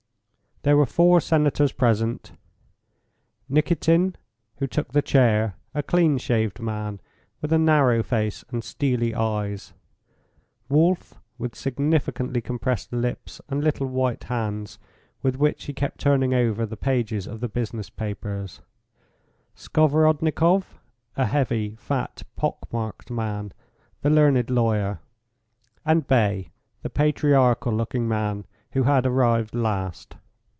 There were four senators present Nikitin, who took the chair, a clean shaved man with a narrow face and steely eyes; Wolf, with significantly compressed lips, and little white hands, with which he kept turning over the pages of the business papers; Skovorodnikoff, a heavy, fat, pockmarked man the learned lawyer; and Bay, the patriarchal looking man who had arrived last.